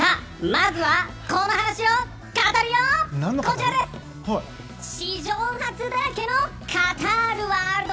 まずは、この話をカタルよ！